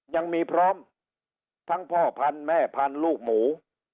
ยังมีพร้อมทั้งพ่อพันธุ์แม่พันธุ์ลูกหมู